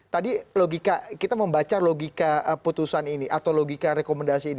tadi logika kita membaca logika putusan ini atau logika rekomendasi ini